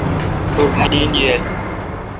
توٹھ نیند ییل۔